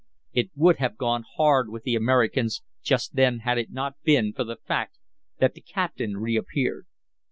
It would have gone hard with the Americans just then had it not been for the fact that the captain reappeared.